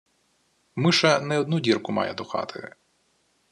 Миша не одну дірку має до хати.